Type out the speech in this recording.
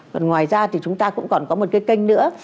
còn ngoài ra thì chúng ta cũng còn có một cái kênh nữa